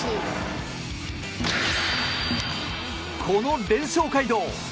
この連勝街道